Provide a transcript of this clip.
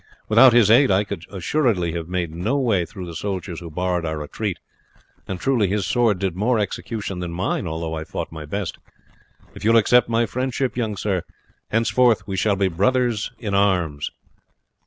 Without his aid I could assuredly have made no way through the soldiers who barred our retreat; and truly his sword did more execution than mine, although I fought my best. If you will accept my friendship, young sir, henceforth we will be brothers in arms."